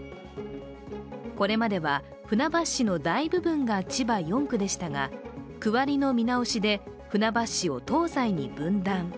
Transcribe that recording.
これまでは船橋市の大部分が千葉４区でしたが区割りの見直しで船橋市を東西に分断。